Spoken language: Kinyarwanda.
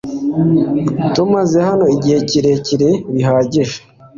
Tumaze hano igihe kirekire bihagije .